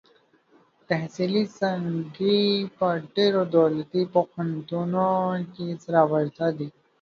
تحصیلي څانګې په ډېرو دولتي پوهنتونونو کې سره ورته دي.